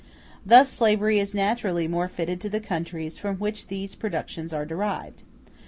Thus slavery is naturally more fitted to the countries from which these productions are derived.